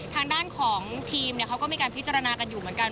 ทางด้านของทีมเขาก็มีการพิจารณากันอยู่เหมือนกัน